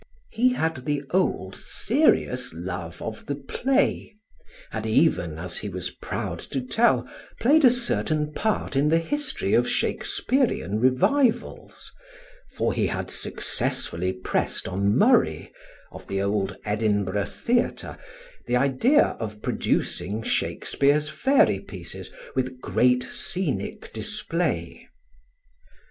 He had the old, serious love of the play; had even, as he was proud to tell, played a certain part in the history of Shakespearian revivals, for he had successfully pressed on Murray, of the old Edinburgh Theatre, the idea of producing Shakespeare's fairy pieces with great scenic display.